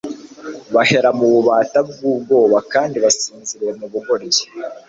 bahera mu bubata bw'ubwoba kandi basinziriye mu bugoryi,